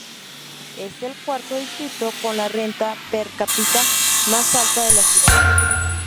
Es el cuarto distrito con la renta per cápita más alta de la ciudad.